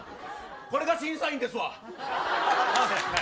これが審査員ですわ。